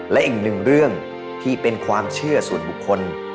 และอีกหนึ่งเรื่องที่เป็นความเชื่อส่วนบุคคล